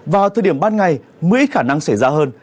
vào thời điểm ban ngày mưa khả năng xảy ra hơn